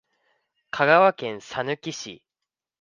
香川県さぬき市